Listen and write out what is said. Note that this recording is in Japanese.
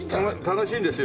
楽しいんですよ。